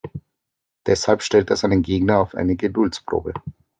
Deshalb stellt er seinen Gegner auf eine Geduldsprobe.